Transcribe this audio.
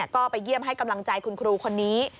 ก็ไปเยี่ยมให้กำลังใจคุณครูคนนี้